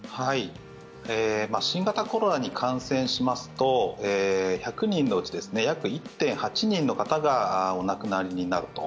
新型コロナに感染しますと１００人のうち約１．８人の方がお亡くなりになると。